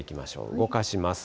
動かします。